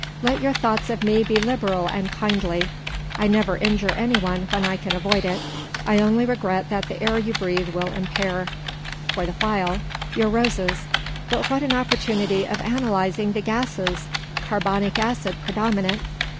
Let your thoughts of me be liberal and kindly. I never injure any one, when I can avoid it. I only regret that the air you breathe will impair, for the while, your roses. But what an opportunity of analysing the gases! Carbonic acid predominant.